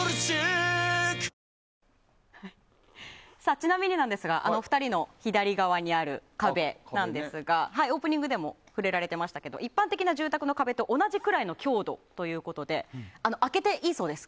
ちなみになんですがお二人の左側にある壁なんですがオープニングでも触れられていましたけど一般的な住宅の壁と同じくらいの強度ということで開けていいそうです